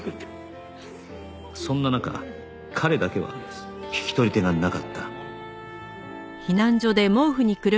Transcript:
そんな中彼だけは引き取り手がなかった